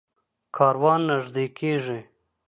کاروان نږدې کېږي.